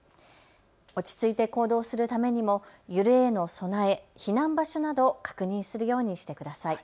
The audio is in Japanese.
落ち着いて行動するためにも揺れへの備え、避難場所など確認するようにしてください。